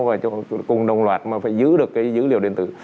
và cùng đồng loạt mà phải giữ được cái dữ liệu điện tử